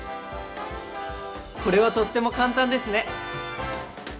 これはとっても簡単ですね！